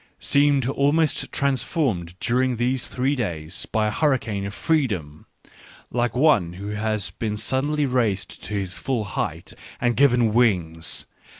seemed almost transformed during these three days by a hurricane of freedom, like one who has been suddenly raised to his full height and given wings.